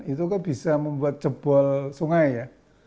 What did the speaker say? itu kok bisa membuat jebol sungai ya